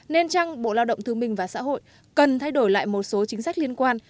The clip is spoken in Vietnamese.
nên chăng bộ lao động thương minh và xã hội cần thay đổi lại một số chính sách liên quan